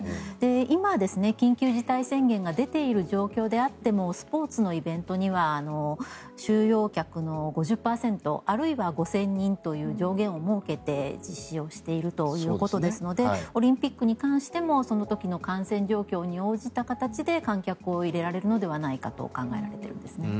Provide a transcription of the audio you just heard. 今、緊急事態宣言が出ている状況であってもスポーツのイベントには収容客の５０％あるいは５０００人という上限を設けて実施をしているということですのでオリンピックに関してもその時の感染状況に応じた形で観客を入れられるのではないかと考えられているんですね。